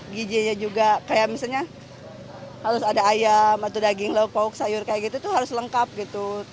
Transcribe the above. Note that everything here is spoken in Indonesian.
gijinya juga kayak misalnya harus ada ayam atau daging lokpok sayur kayak gitu tuh harus lengkap gitu